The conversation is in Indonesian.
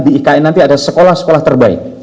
di ikn nanti ada sekolah sekolah terbaik